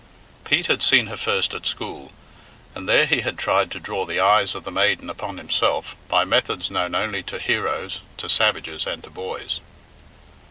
Pete had seen her first at school, and there he had tried to draw the eyes of the maiden upon himself by methods known only to heroes, to savages, and to boys.